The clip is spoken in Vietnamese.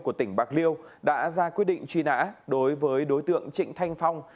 của tỉnh bạc liêu đã ra quyết định truy nã đối với đối tượng trịnh thanh phong